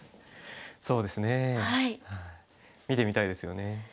そうですね見てみたいですよね。